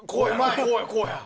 こうや、こうや。